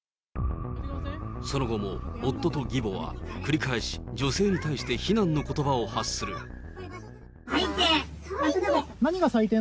その後も夫と義母は繰り返し女性に対して非難のことばを発す最低。